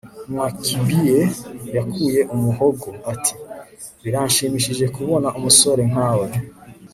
nwakibie yakuye umuhogo. ati biranshimishije kubona umusore nkawe